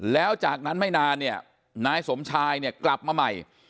แล้วจากนั้นไม่นานเนี่ยนายสมชายเนี่ยกลับมาใหม่